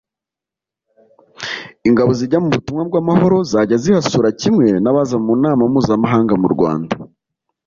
Ingabo zijya mu butumwa bw’amahoro zajya zihasura kimwe n’abaza mu nama mpuzamahanga mu Rwanda